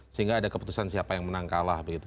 sehingga ada keputusan siapa yang menang kalah begitu